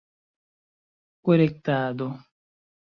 korektado